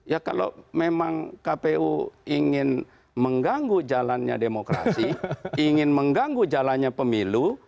ya kalau memang kpu ingin mengganggu jalannya demokrasi ingin mengganggu jalannya pemilu